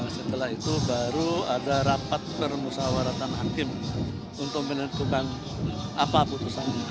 setelah itu baru ada rapat permusawaratan hakim untuk menentukan apa putusannya